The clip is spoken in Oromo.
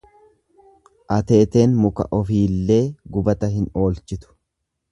Ateeteen muka ofiillee gubata hin oolchitu.